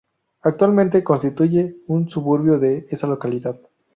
Actualmente constituye un suburbio de esa localidad.